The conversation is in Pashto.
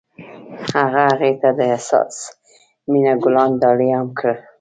هغه هغې ته د حساس مینه ګلان ډالۍ هم کړل.